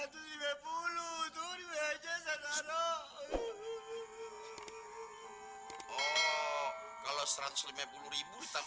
tuh di wajah saya taruh